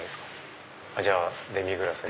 じゃあデミグラスで。